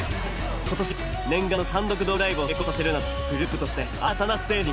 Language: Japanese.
今年念願の単独ドームライブを成功させるなどグループとして新たなステージに。